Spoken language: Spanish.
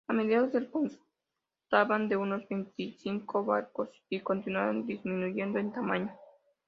A mediados del constaban de unos veinticinco barcos, y continuaron disminuyendo en tamaño.